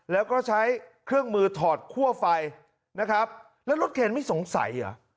แล้วก็ใช้เครื่องมือถอดคั่วไฟนะครับแล้วรถเคนไม่สงสัยเหรอ